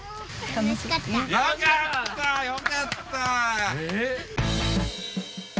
よかったよかった。